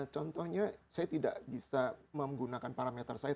contohnya saya tidak bisa menggunakan parameter saya